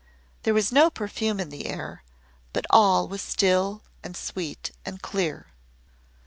There was no perfume in the air, but all was still and sweet and clear.